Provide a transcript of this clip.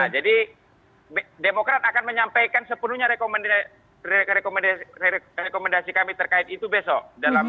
jadi demokrat akan menyampaikan sepenuhnya rekomendasi kami terkait itu besok